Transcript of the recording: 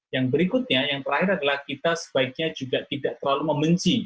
yang berikutnya yang terakhir adalah kita sebaiknya juga tidak terlalu membenci